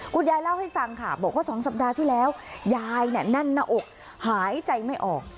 คุณยายเล่าให้ฟังค่ะบอกว่า๒สัปดาห์ที่แล้วยายแน่นหน้าอกหายใจไม่ออก